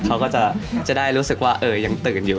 เขาก็จะได้รู้สึกว่ายังตื่นอยู่